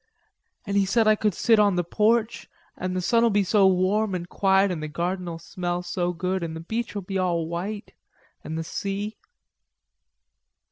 "An' he said I could sit on the porch, an' the sun'll be so warm an' quiet, an' the garden'll smell so good, an' the beach'll be all white, an' the sea..."